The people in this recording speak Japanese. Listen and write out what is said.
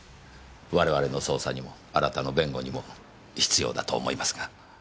我々の捜査にもあなたの弁護にも必要だと思いますが。